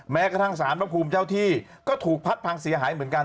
แม้กระทั่งสารพระภูมิเจ้าที่ก็ถูกพัดพังเสียหายเหมือนกัน